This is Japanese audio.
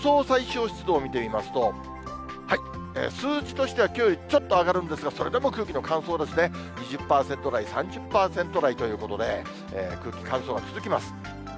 最小湿度を見てみますと、数字としてはきょうよりちょっと上がるんですが、それでも空気は乾燥ですね、２０％台、３０％台ということで、空気、乾燥が続きます。